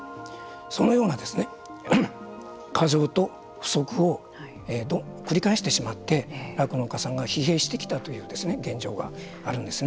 そのような、過剰と不足を繰り返してしまって酪農家さんが疲弊してきたという現状があるんですね。